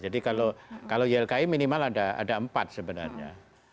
jadi kalau ylki minimal ada empat sebenarnya